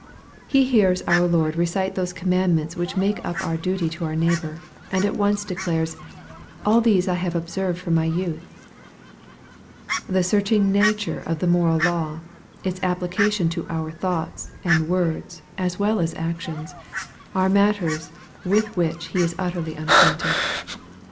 He hears our Lord recite those commandments which make up our duty to our neighbor, and at once declares, " All these have I observed from my youth." The searching nature of the moral law, its application to our thoughts, and words, as well as actions, are matters with which he is utterly unacquainted.